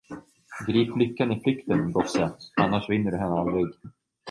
Grip lyckan i flykten, min gosse, annars vinner du henne aldrig.